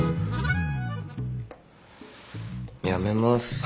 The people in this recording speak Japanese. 辞めます。